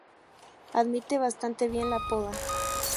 Admite bastante bien la poda.